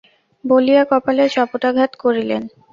বলিয়া কপালে চপেটাঘাত করিলেন।